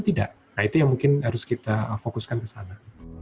tidak nah itu yang mungkin harus kita fokuskan ke sana